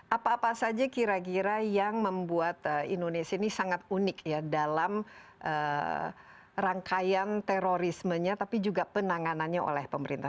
apa apa saja kira kira yang membuat indonesia ini sangat unik ya dalam rangkaian terorismenya tapi juga penanganannya oleh pemerintah